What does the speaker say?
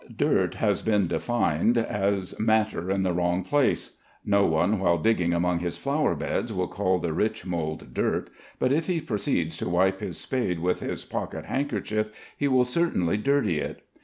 Dirt has been defined as matter in the wrong place. No one while digging among his flower beds would call the rich mould "dirt," but if he proceeds to wipe his spade with his pocket handkerchief, he will certainly "dirty" it.